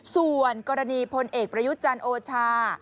ส่วนกรณีพลเอกประยุจรรย์โอชา